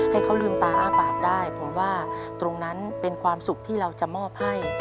ให้เขาลืมตาอ้าปากได้ผมว่าตรงนั้นเป็นความสุขที่เราจะมอบให้